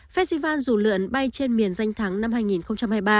festival dù lượn bay trên miền danh thắng năm hai nghìn hai mươi ba